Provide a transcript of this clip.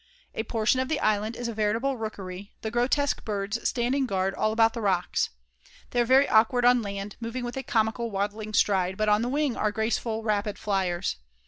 A portion of the island is a veritable rookery, the grotesque birds standing guard all about the rocks. They are very awkward on land, moving with a comical waddling stride, but on the wing are graceful, rapid flyers.